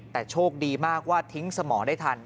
แต่โชคดีมากว่าทิ้งสมองได้ทัน